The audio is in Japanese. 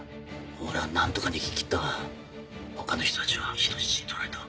俺は何とか逃げ切ったが他の人たちは人質に取られた。